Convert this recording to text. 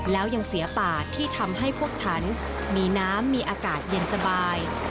แล้วยังเสียป่าที่ทำให้พวกฉันมีน้ำมีอากาศเย็นสบาย